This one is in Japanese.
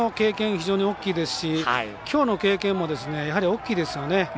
非常に大きいですしきょうの経験も大きいですよね。